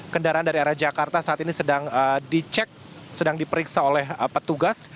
kendaraan dari arah jakarta saat ini sedang dicek sedang diperiksa oleh petugas